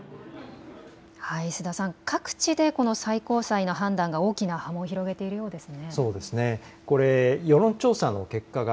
須田さん、各地でこの最高裁の判断が大きな波紋を広げているようです。